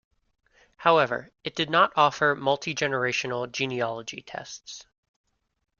However, it did not offer multi-generational genealogy tests.